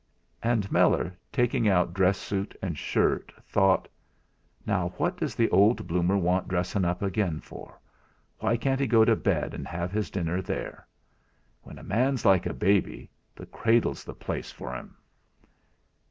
And Meller, taking out dress suit and shirt, thought: 'Now, what does the old bloomer want dressin' up again for; why can't he go to bed and have his dinner there? When a man's like a baby, the cradle's the place for him.'....